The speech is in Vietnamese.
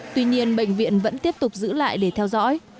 tuy nhiên bệnh viện vẫn tiếp tục giữ lại để theo dõi